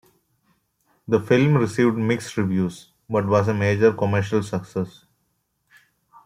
The film received mixed reviews, but was a major commercial success.